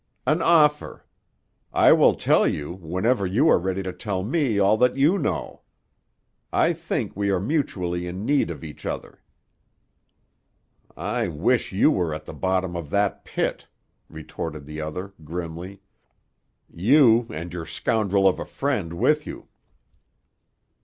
"An offer. I will tell you whenever you are ready to tell me all that you know. I think we are mutually in need of each other." "I wish you were at the bottom of that pit," retorted the other grimly. "You and your scoundrel of a friend with you."